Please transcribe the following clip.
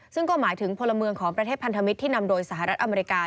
ซึ่งก็หมายถึงพลเมืองของประเทศพันธมิตรที่นำโดยสหรัฐอเมริกา